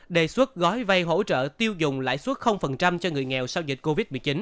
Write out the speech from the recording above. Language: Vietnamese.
đề xuất gói vay hỗ trợ tiêu dùng lãi suất cho người nghèo sau dịch covid một mươi chín